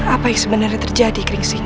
apa yang sebenarnya terjadi gringsing